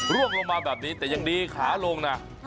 ร่วงลงมาแบบนี้แต่ยังดีขาลงนะ